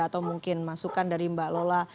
atau mungkin masukan dari mbak lola